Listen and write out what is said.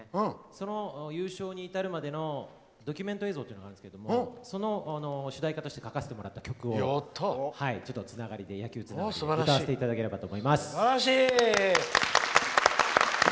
その優勝にいたるまでのドキュメント映像があるんですけどその主題歌として書かせてもらった曲を野球つながりで歌わせていただければと。